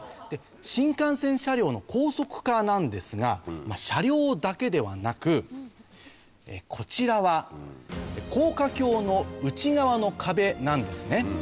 新幹線車両の高速化なんですが車両だけではなくこちらは高架橋の内側の壁なんですね。